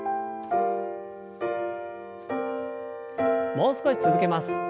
もう少し続けます。